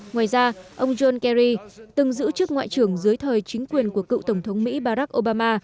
ngoài ra ông john kerry từng giữ chức ngoại trưởng dưới thời chính quyền của cựu tổng thống mỹ barack obama